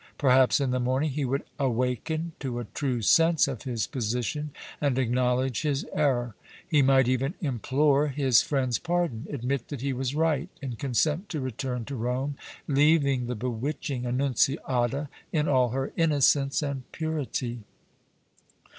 Perhaps in the morning he would awaken to a true sense of his position and acknowledge his error; he might even implore his friend's pardon, admit that he was right and consent to return to Rome, leaving the bewitching Annunziata in all her innocence and purity.